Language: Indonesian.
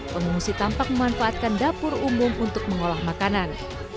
pengungsi tampak memanfaatkan dapur umum untuk mengolah makanan